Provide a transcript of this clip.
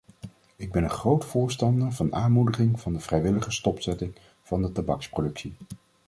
Ik ben een groot voorstander van aanmoediging van de vrijwillige stopzetting van de tabaksproductie.